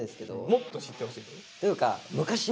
もっと知ってほしい？